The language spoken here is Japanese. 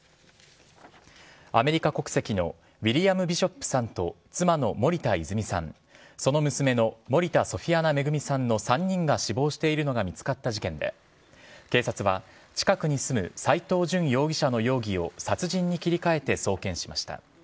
アメリカ国籍のウィリアム・ビショップさんと、妻の森田泉さん、その娘の森田ソフィアナ恵さんの３人が死亡しているのが見つかった事件で、警察は、近くに住む斎藤淳容疑者の容疑を殺人に切り替えて送検しました。